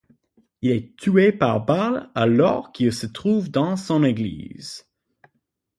Il est tué par balle alors qu'il se trouve dans son église.